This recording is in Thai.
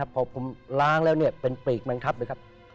พอผมล้างแล้วเป็นปีกบังคับเลยครับ